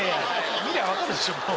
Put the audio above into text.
見りゃ分かるでしょ！